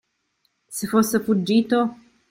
Se fosse fuggito?